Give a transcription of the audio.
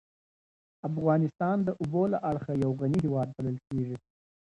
افغانستان د اوبو له اړخه یو غنی هېواد بلل کېږی.